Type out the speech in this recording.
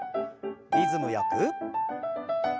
リズムよく。